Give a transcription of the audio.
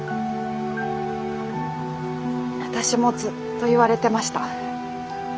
私もずっと言われてました。